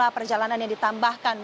semua perjalanan yang ditambahkan